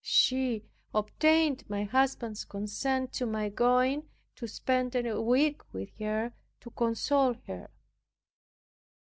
She obtained my husband's consent to my going to spend a week with her, to console her.